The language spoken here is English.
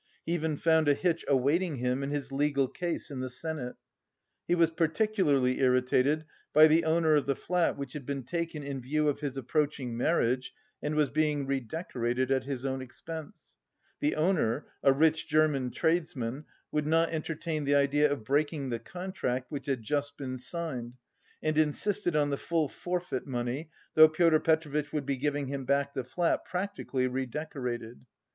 He even found a hitch awaiting him in his legal case in the senate. He was particularly irritated by the owner of the flat which had been taken in view of his approaching marriage and was being redecorated at his own expense; the owner, a rich German tradesman, would not entertain the idea of breaking the contract which had just been signed and insisted on the full forfeit money, though Pyotr Petrovitch would be giving him back the flat practically redecorated.